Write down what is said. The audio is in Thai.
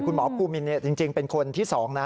คุณหมอภูมินจริงเป็นคนที่๒นะ